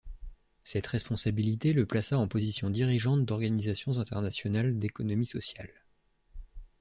Cette responsabilité le plaça en position dirigeante d’organisations internationales d’économie sociale.